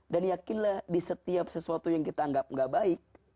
dan yakinlah di setiap sesuatu yang kita anggap tidak baik